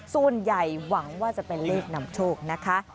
ส่วนใหญ่หวังว่าจะเป็นเลขนำโชคนะคะ